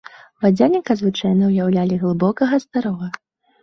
Вадзяніка звычайна ўяўлялі глыбокага старога.